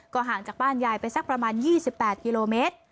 ห่างจากบ้านยายไปสักประมาณ๒๘กิโลเมตร